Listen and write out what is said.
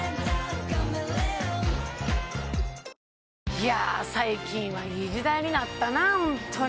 いや最近はいい時代になったなホントに。